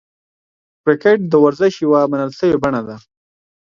کرکټ د ورزش یوه منل سوې بڼه ده.